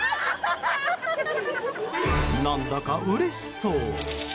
何だかうれしそう。